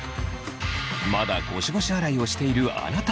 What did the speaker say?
まだゴシゴシ洗いをしているあなた！